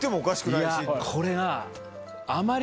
いやこれが。